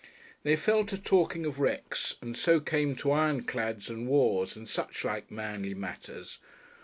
They fell to talking of wrecks, and so came to ironclads and wars and suchlike manly matters.